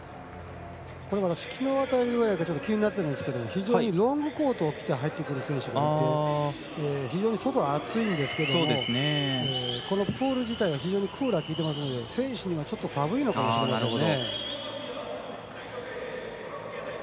きのうから気になっているんですけれどもロングコートを着て入ってくる選手もいて非常に外は暑いんですけどもこのプール自体は非常にクーラーが利いてますので選手には寒いのかもしれませんね。